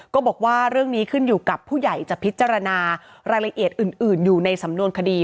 ก็บอกว่าเรื่องนี้ขึ้นอยู่กับผู้ใหญ่จะพิจารณารายละเอียดอื่นอยู่ในสำนวนคดี